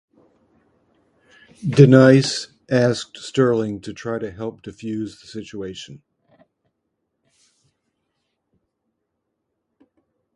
D-Nice asked Sterling to try to help defuse the situation.